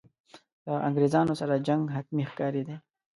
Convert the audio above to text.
له انګرېزانو سره جنګ حتمي ښکارېدی.